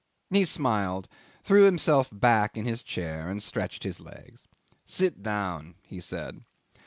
'He smiled, threw himself back in his chair, and stretched his legs. "Sit down," he said.